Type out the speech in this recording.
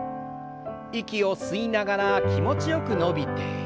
息を吸いながら気持ちよく伸びて。